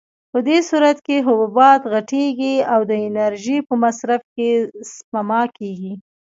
په دې صورت کې حبوبات غټېږي او د انرژۍ په مصرف کې سپما کېږي.